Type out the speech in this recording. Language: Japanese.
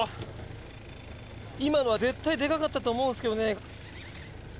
今のは絶対でかかったと思うんですけどね。